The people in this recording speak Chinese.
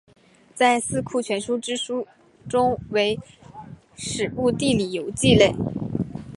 在四库全书之中为史部地理游记类。